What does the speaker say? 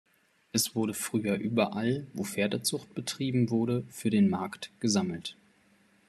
Es wurde früher überall, wo Pferdezucht betrieben wurde, für den Markt gesammelt.